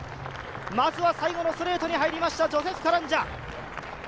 まずは最後のストレートに入りました、ジョセフ・カランジャ。